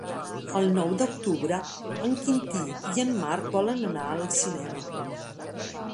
El nou d'octubre en Quintí i en Marc volen anar al cinema.